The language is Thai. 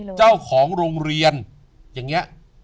ผู้จัดเจ้าของโรงเรียนอย่างนี้